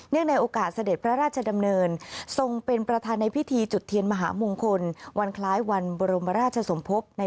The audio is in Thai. เนื่องในโอกาสเสด็จพระราชดำเนิน